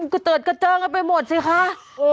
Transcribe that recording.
กระเจิดกระเจิงกันไปหมดสิคะ